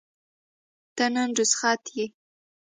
ته نن رخصت یې؟